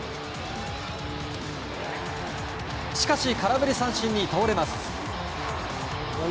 しかし、空振り三振に倒れます。